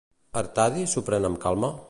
Artadi s'ho pren amb calma?